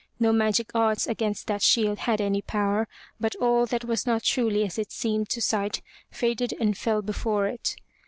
No magic arts against that shield had any power, but all that was not truly as it seemed to sight, faded and fell before it.